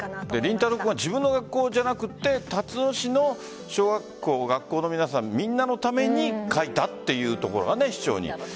凛太郎君は自分の学校じゃなくてたつの市の小学校学校の皆さん、みんなのために書いたというところが、市長に。